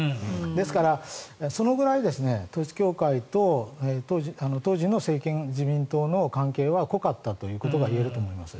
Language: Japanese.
ですから、そのぐらい統一教会と当時の政権、自民党の関係は濃かったということが言えると思います。